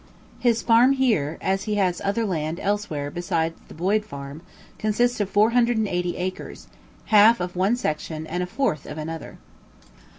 His farm here, as he has other land elsewhere besides the Boyd Farm, consists of 480 acres; half of one section and a fourth of another.